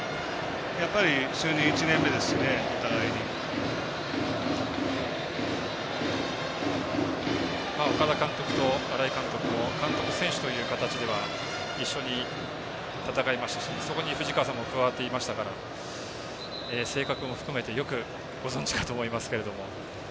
やっぱり就任１年目ですし新井監督。岡田監督と新井監督監督、選手という形では一緒に戦いましたしそこに藤川さんも加わっていましたから性格も含めてよくご存じかと思いますけども。